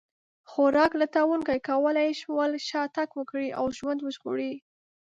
خوراک لټونکو کولی شول شا تګ وکړي او ژوند وژغوري.